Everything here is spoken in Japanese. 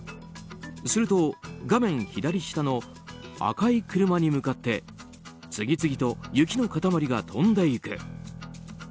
すると画面左下の赤い車に向かって次々と雪の塊が飛んでいく。